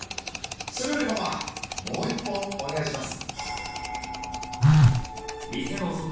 それよりママもう１本お願いします。